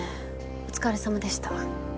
お疲れ様でした。